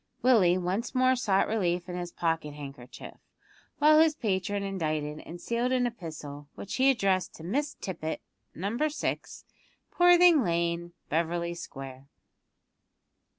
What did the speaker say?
Willie once more sought relief in his pocket handkerchief, while his patron indited and sealed an epistle, which he addressed to "Miss Tippet, Number 6, Poorthing Lane, Beverly Square."